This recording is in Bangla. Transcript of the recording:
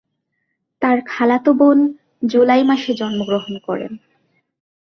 তার খালাতো বোন জুলাই মাসে জন্মগ্রহণ করে।